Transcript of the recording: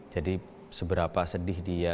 jadi seberapa sedih dia